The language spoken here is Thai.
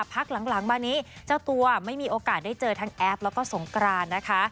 พักหลังมานี้เจ้าตัวไม่มีโอกาสได้เจอทั้งแอฟแล้วก็สงกรานนะคะ